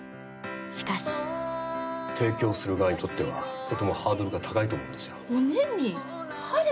しかし提供する側にとってはとてもハードルが高いと思うんですよ。